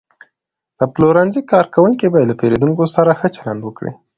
د پلورنځي کارکوونکي باید له پیرودونکو سره ښه چلند وکړي.